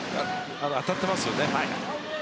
当たっていますよね。